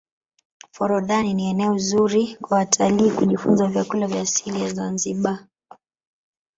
forodhani ni eneo zuri kwa watalii kujifunza vyakula vya asili ya zanzibar